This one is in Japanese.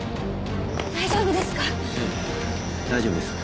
大丈夫ですか？